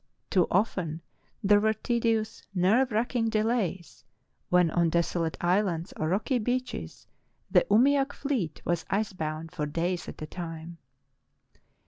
too often there were tedious, nerve racking delays when on desolate islands or rocky beaches the umiak fleet was ice bound for days at a time.